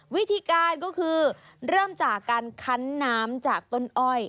วิธีการก็คือเริ่มจากการคั้นน้ำจากต้นอ้อย